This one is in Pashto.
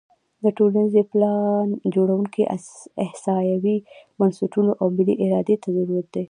د ټولنیزې پلانجوړونې احصایوي بنسټونو او ملي ارادې ته ضرورت دی.